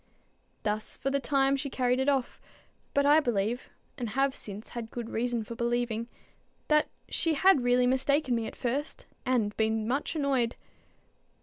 Thus for the time she carried it off; but I believe, and have since had good reason for believing, that she had really mistaken me at first, and been much annoyed.